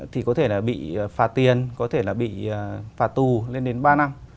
thì có thể là bị phạt tiền có thể là bị phạt tù lên đến ba năm